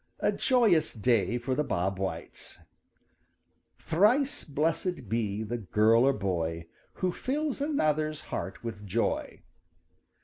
A JOYOUS DAY FOR THE BOB WHITES ````Thrice blessed be the girl or boy ````Who fills another's heart with joy.